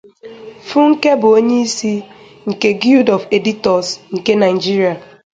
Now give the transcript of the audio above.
Funke bụ Onye isi oche nke Guild of Editors nke Nigeria.